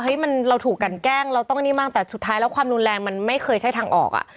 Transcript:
มันเราถูกกันแกล้งเราต้องนี่มั่งแต่สุดท้ายแล้วความรุนแรงมันไม่เคยใช้ทางออกอ่ะ